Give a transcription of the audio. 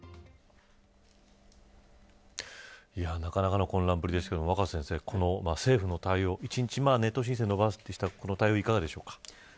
なかなかの混乱ぶりでしたけど政府の対応、１日申請を延ばすとした対応いかがでしょうか。